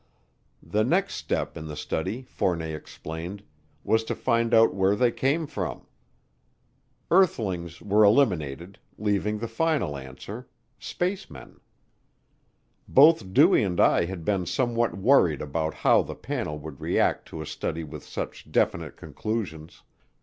The next step in the study, Fournet explained, was to find out where they came from. "Earthlings" were eliminated, leaving the final answer spacemen. Both Dewey and I had been somewhat worried about how the panel would react to a study with such definite conclusions.